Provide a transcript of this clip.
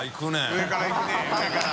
上からいくね上から。